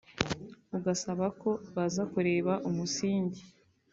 ugasaba ko baza kureba umusingi